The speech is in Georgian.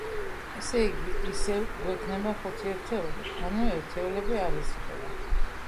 ესე იგი, ისევ გვექნება ხუთი ერთეული, ანუ ერთეულები არ იზრდება.